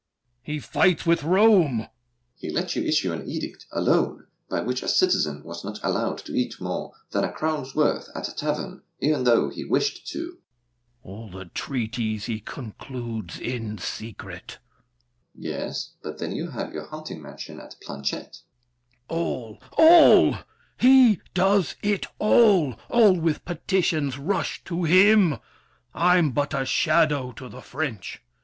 He fights with Rome! DUKE DE BELLEGARDE. He let you issue an edict, alone, By which a citizen was not allowed To eat more than a crown's worth at a tavern, E'en though he wished to. THE KING. All the treaties he Concludes in secret. DUKE DE BELLEGARDE. Yes; but then you have Your hunting mansion at Planchette. THE KING. All—all! He does it all! All with petitions rush To him! I'm but a shadow to the French!